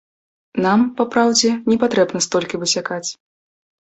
Нам, па праўдзе, не патрэбна столькі высякаць.